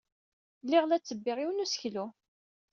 Lliɣ la ttebbiɣ yiwen n useklu.